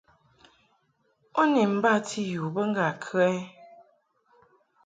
U bi mbati yu bə ŋgâ kə ɛ?